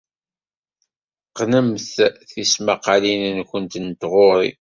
Qqnemt tismaqqalin-nwent n tɣuri.